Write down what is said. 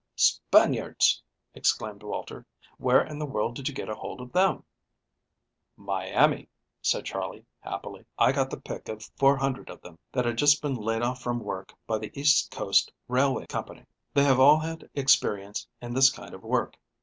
"Spaniards!" exclaimed Walter. "Where in the world did you get hold of them?" "Miami," said Charley happily. "I got the pick of four hundred of them that had just been laid off from work by the East Coast Railway Co. They have all had experience in this kind of work.